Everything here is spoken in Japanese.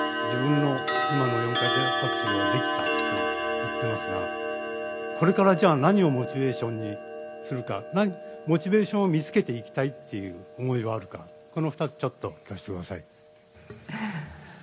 自分の今の４回転アクセルはできたと言っていますがじゃ、これから何をモチベーションにするか、モチベーションを見つけていきたいという思いはあるか、この２つ、ちょっと聞かせてください。